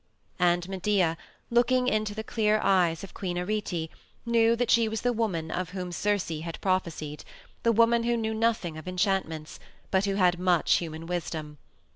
And Medea, looking into the clear eyes of Queen Arete, knew that she was the woman of whom Circe had prophesied, the woman who knew nothing of enchantments, but who had much human wisdom.